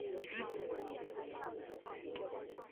教会一致通过了接受这个编辑工作为信仰的教义和圣约。